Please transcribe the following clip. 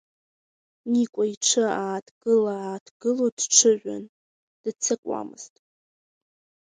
Никәа иҽы ааҭгыла-ааҭгыло дҽыжәын, дыццакуамызт.